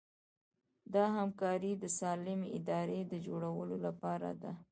دا همکاري د سالمې ادارې د جوړولو لپاره ده.